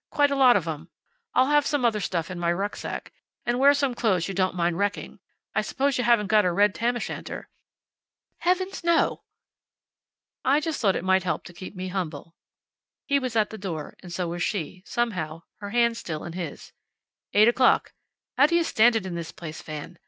Quite a lot of 'em. I'll have some other stuff in my rucksack. And wear some clothes you don't mind wrecking. I suppose you haven't got a red tam o' shanter?" "Heavens, no!" "I just thought it might help to keep me humble." He was at the door, and so was she, somehow, her hand still in his. "Eight o'clock. How do you stand it in this place, Fan?